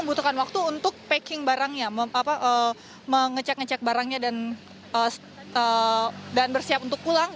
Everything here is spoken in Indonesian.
membutuhkan waktu untuk packing barangnya mengecek ngecek barangnya dan bersiap untuk pulang